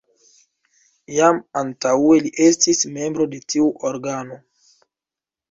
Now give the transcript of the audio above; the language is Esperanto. Jam antaŭe li estis membro de tiu organo.